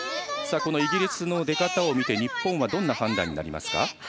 イギリスの出方を見て日本はどんな判断になりますか？